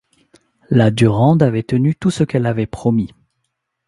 La Durande avait tenu tout ce qu’elle avait promis.